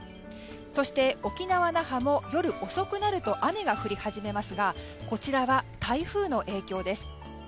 そして、沖縄・那覇も夜遅くなると雨が降り始めますがこちらは台風の影響です。